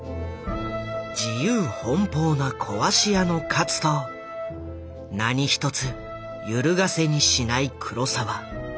自由奔放な壊し屋の勝と何一つゆるがせにしない黒澤。